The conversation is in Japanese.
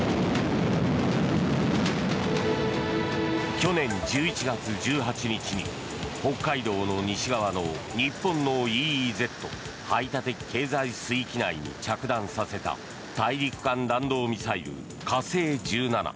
去年１１月１８日に北海道の西側の日本のＥＥＺ・排他的経済水域内に着弾させた大陸間弾道ミサイル、火星１７。